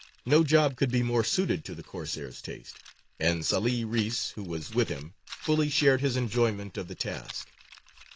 No job could be more suited to the Corsair's taste, and Sālih Reïs, who was with him, fully shared his enjoyment of the task.